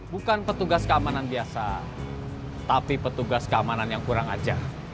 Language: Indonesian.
bukan petugas keamanan biasa tapi petugas keamanan yang kurang aja